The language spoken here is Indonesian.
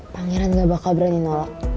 pangeran gak bakal berani nolak